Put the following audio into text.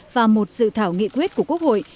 và một dự thảo nghị quyết của quốc hội